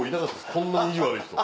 こんなに意地悪い人。